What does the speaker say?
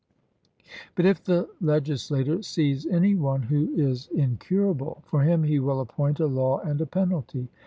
But if the legislator sees any one who is incurable, for him he will appoint a law and a penalty.